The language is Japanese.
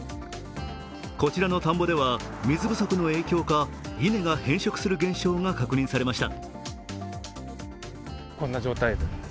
こちらの田んぼでは水不足の影響か稲が変色する現象が確認されました。